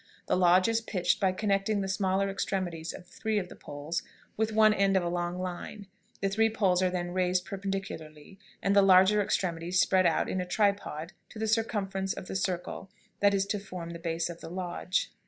The lodge is pitched by connecting the smaller extremities of three of the poles with one end of a long line. The three poles are then raised perpendicularly, and the larger extremities spread out in a tripod to the circumference of the circle that is to form the base of the lodge.